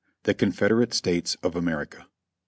THK CONFEDERATE STATES OF AMERICA.